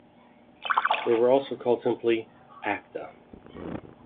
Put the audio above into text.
They were also called simply "Acta".